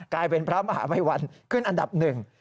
กลายเป็นพระมหาภัยวันขึ้นอันดับหนึ่ง